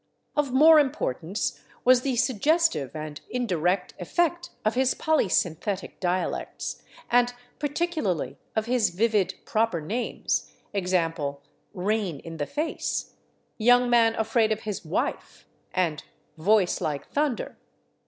Of more importance was the suggestive and indirect effect of his polysynthetic dialects, and particularly of his vivid proper names, /e. g./, /Rain in the Face/, /Young Man Afraid of His Wife/ and /Voice Like Thunder